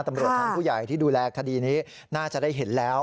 ตำรวจชั้นผู้ใหญ่ที่ดูแลคดีนี้น่าจะได้เห็นแล้ว